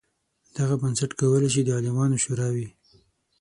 دغه بنسټ کولای شي د عالمانو شورا وي.